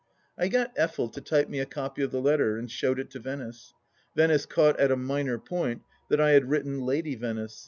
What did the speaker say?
" I got Effel to type me a copy of the letter, and showed it to Venice. Venice caught at a minor point, that I had written "Lady Venice."